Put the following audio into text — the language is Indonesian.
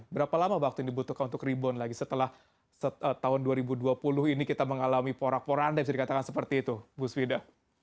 berapa lama waktu yang dibutuhkan untuk rebound lagi setelah tahun dua ribu dua puluh ini kita mengalami porak poranda bisa dikatakan seperti itu bu svida